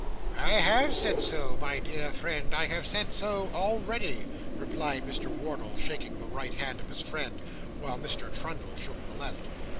'I have said so, my dear friend. I have said so already,' replied Mr. Wardle, shaking the right hand of his friend, while Mr. Trundle shook the left.